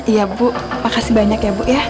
iya bu makasih banyak ya bu ya